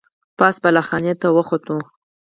پاس بالا خانې ته وخوته.